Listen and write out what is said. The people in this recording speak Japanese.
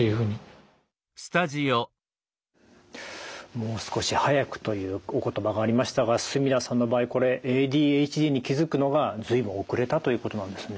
もう少し早くというお言葉がありましたが墨田さんの場合これＡＤＨＤに気付くのが随分遅れたということなんですね。